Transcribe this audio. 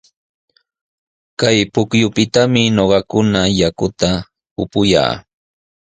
Kay pukyupitami ñuqakuna yakuta upuyaa.